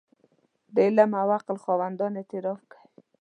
د علم او عقل خاوندان اعتراف کوي.